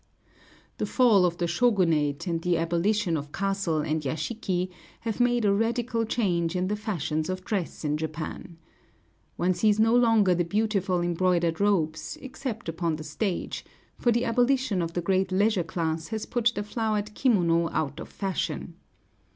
The fall of the Shōgunate, and the abolition of castle and yashiki, have made a radical change in the fashions of dress in Japan. One sees no longer the beautiful embroidered robes, except upon the stage, for the abolition of the great leisure class has put the flowered kimono out of fashion.